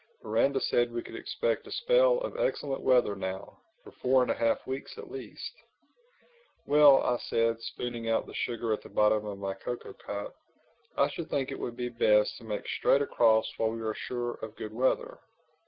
Miranda said we could expect a spell of excellent weather now—for four and a half weeks at least." "Well," I said, spooning out the sugar at the bottom of my cocoa cup, "I should think it would be best to make straight across while we are sure of good weather.